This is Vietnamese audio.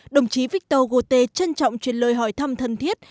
đồng chí victor gauté trân trọng truyền lời hỏi thăm thân thiết